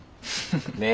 ねえ。